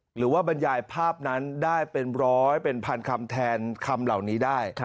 บรรยายภาพนั้นได้เป็นร้อยเป็นพันคำแทนคำเหล่านี้ได้